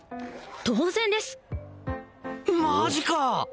当然ですマジか！